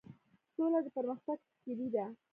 سوله د پرمختګ کیلي ده؟